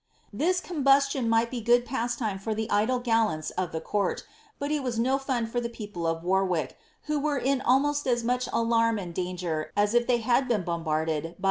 This combustion might be good pastime for the idle gallants of the ourt, but it was no fun for the people of Warwick, who were in al loat as much alarm and danger as if they had been bombarded by a * IVp^rhes de la Motlie Feiielon, vol.